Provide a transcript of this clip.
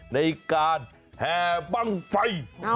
ในการแห่บ้างไฟ